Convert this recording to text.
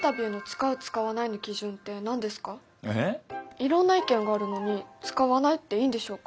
いろんな意見があるのに使わないっていいんでしょうか？